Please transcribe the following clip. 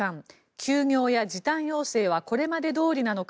休業や時短要請はこれまでどおりなのか。